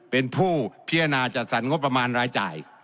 เป็นผู้พิจารณาจัดสรรงบประมาณรายจ่าย